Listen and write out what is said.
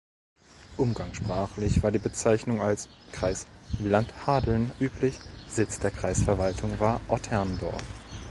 Umgangssprachlich war die Bezeichnung als "Kreis Land Hadeln" üblich, Sitz der Kreisverwaltung war Otterndorf.